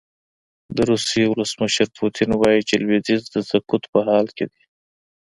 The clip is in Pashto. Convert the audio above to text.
د روسیې ولسمشر پوتین وايي چې لویدیځ د سقوط په حال کې دی.